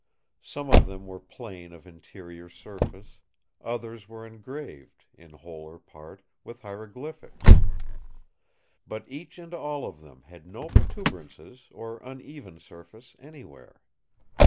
Some of them were plain of interior surface; others were engraved, in whole or part, with hieroglyphics. But each and all of them had no protuberances or uneven surface anywhere.